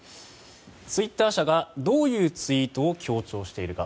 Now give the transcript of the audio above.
ツイッター社がどういうツイートを強調しているか。